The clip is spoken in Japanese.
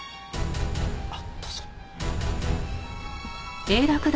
あっどうぞ。